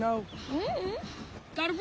ううん。